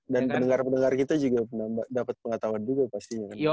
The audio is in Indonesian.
dan pendengar pendengar kita juga dapat pengetahuan juga pasti